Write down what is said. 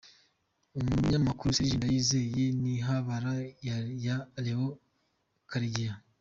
Umunyamakuru Serge Ndayizeye n’ihabara ye Lea Karegeya